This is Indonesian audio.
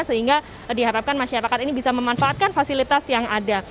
sehingga diharapkan masyarakat ini bisa memanfaatkan fasilitas yang ada